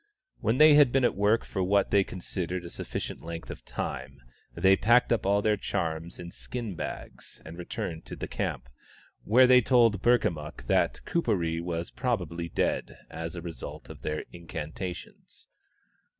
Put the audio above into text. When they had been at work for what they considered a sufficient length of time, they packed up all their charms in skin bags, and returned to the camp, where they told Burkamukk that Kuperee was probably dead, as a result of their incantations.